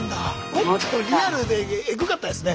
もっとリアルでエグかったですね。